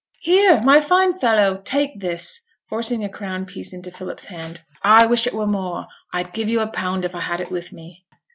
'Here, my fine fellow, take this,' forcing a crown piece into Philip's hand. 'I wish it were more; I'd give you a pound if I had it with me.'